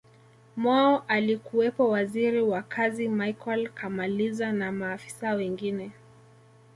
mwao alikuwepo Waziri wa kazi Michael kamaliza na maafisa wengine